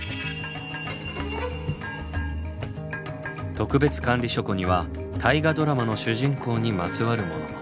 特別管理書庫には「大河ドラマ」の主人公にまつわるものも。